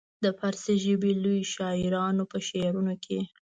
د فارسي ژبې لویو شاعرانو په شعرونو کې.